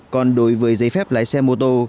còn đối với giấy phép lái xe mô tô